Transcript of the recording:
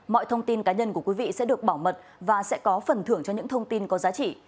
mọi thông tin cá nhân của quý vị sẽ được bảo mật và sẽ có phần thưởng cho những thông tin có giá trị